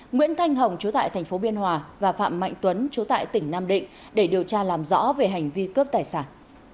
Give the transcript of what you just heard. nguyễn thanh hồng chú tại tp biên hòa và phạm mạnh tuấn chú tại tỉnh nam định để điều tra làm rõ về hành vi cướp tài sản